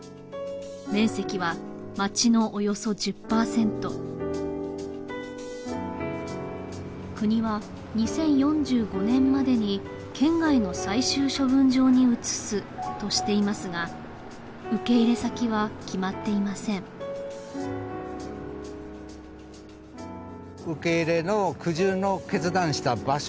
面積は町のおよそ１０％国は２０４５年までに県外の最終処分場に移すとしていますが受け入れ先は決まっていません受け入れの苦渋の決断した場所